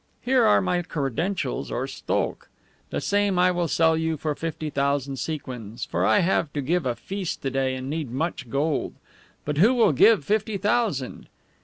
Here are my credentials, or STOKH. The same I will sell you for fifty thousand sequins, for I have to give a feast to day, and need much gold. Who will give fifty thousand?"